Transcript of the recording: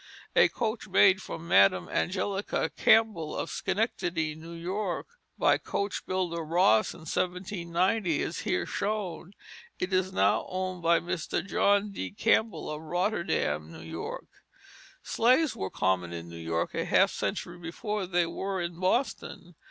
A coach made for Madam Angelica Campbell of Schenectady, New York, by coach builder Ross, in 1790, is here shown. It is now owned by Mr. John D. Campbell of Rotterdam, New York. Sleighs were common in New York a half century before they were in Boston.